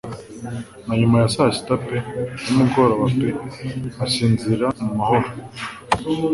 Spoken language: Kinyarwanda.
Na nyuma ya saa sita pe nimugoroba pe asinzira mu mahoro!